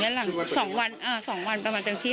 ถืออาวุธครบมือขนาดนั้นก็คงไม่ได้มาดี